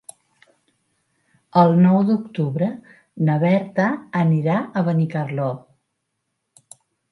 El nou d'octubre na Berta anirà a Benicarló.